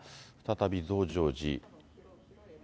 再び増上寺。